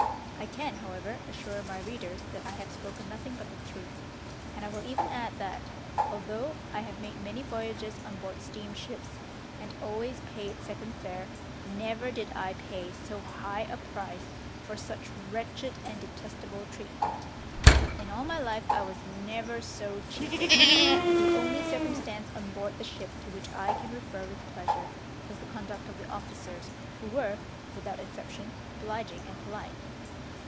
I can, however, assure my readers that I have spoken nothing but the truth; and I will even add that, although I have made many voyages on board steam ships, and always paid second fare, never did I pay so high a price for such wretched and detestable treatment. In all my life I was never so cheated. The only circumstance on board the ship to which I can refer with pleasure was the conduct of the officers, who were, without exception, obliging and polite.